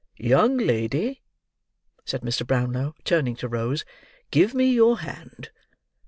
"Young lady," said Mr. Brownlow, turning to Rose, "give me your hand.